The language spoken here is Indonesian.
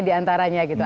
di antaranya gitu